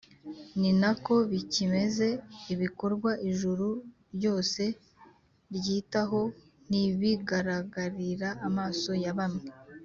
Ni nako bikimeze. Ibikorwa ijuru ryose ryitaho ntibigaragarira amaso ya bamwe